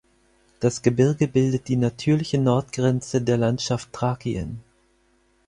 Das Gebirge bildet die natürliche Nordgrenze der Landschaft Thrakien.